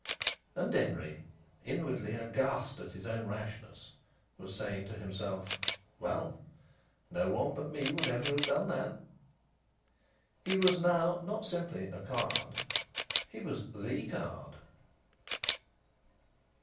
And Denry, inwardly aghast at his own rashness, was saying to himself: "Well, no one but me would ever have done that!" He was now not simply a card; he was the card.